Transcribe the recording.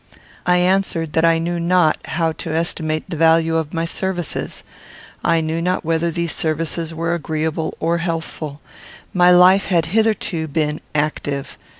I answered that I knew not how to estimate the value of my services. I knew not whether these services were agreeable or healthful. My life had hitherto been active.